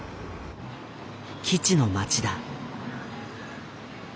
基地の町だ。